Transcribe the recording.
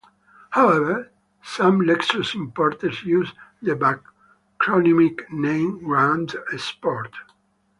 However, some Lexus importers use the backronymic name, Grand Sport.